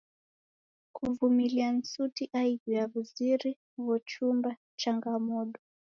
Kuvumilia ni suti aighu ya w'uzuri ghochumba changamodo.